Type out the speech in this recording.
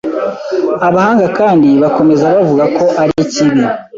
Abahanga kandi bakomeza bavuga ko arikibi